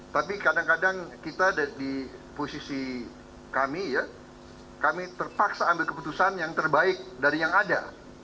tapi kadang kadang kita di posisi kami ya kami terpaksa ambil keputusan yang terbaik dari yang ada